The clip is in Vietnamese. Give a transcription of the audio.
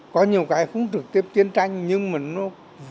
có nhiều cái không trực tiếp chiến tranh nhưng mà nó vẫn đau